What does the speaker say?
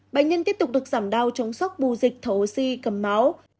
bệnh nhân tiếp tục được giảm đau chống sóc bù dịch thổ oxy cầm máu